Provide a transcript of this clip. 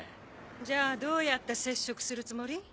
じゃあどうやって接触するつもり？